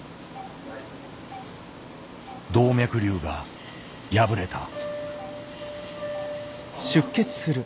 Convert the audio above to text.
動脈瘤が破れた。